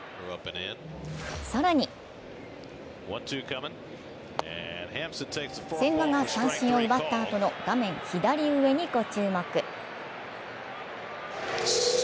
更に千賀が三振を奪ったあとの画面左上にご注目。